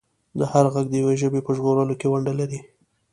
هر غږ د یوې ژبې په ژغورلو کې ونډه لري.